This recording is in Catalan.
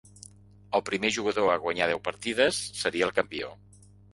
El primer jugador a guanyar deu partides seria el campió.